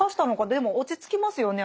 でも落ち着きますよね